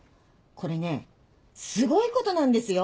これねすごいことなんですよ。